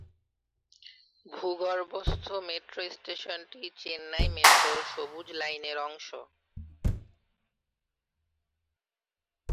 ভূগর্ভস্থ মেট্রো স্টেশনটি চেন্নাই মেট্রোর সবুজ লাইনের অংশ।